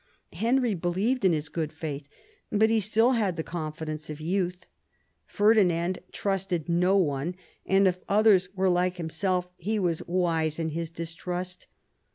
Henry believed in his good faith, but he still had the confidence of youth. Ferdinand trusted no one, and if others were like him self he was wise in his distrust.